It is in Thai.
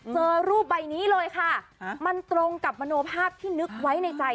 เจอรูปใบนี้เลยค่ะมันตรงกับมโนภาพที่นึกไว้ในใจ